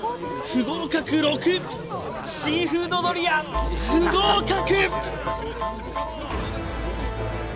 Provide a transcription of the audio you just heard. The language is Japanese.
１不合格６シーフードドリア不合格